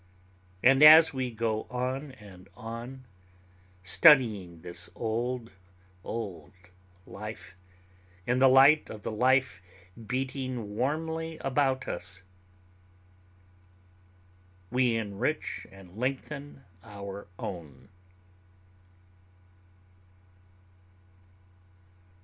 And as we go on and on, studying this old, old life in the light of the life beating warmly about us, we enrich and lengthen our own.